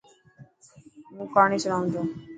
هون ڪهاڻي سڻوان تو.